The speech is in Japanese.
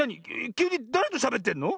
きゅうにだれとしゃべってんの？